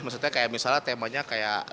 maksudnya kayak misalnya temanya kayak